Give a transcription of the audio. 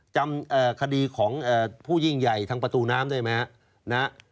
จำคดีของผู้ยิ่งใหญ่ทางประตูน้ำได้ไหมครับ